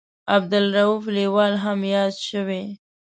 عبدالرووف لیوال هم یاد شوی.